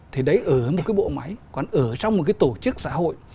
thì đấy ở một cái bộ máy còn ở trong một cái tổ chức xã hội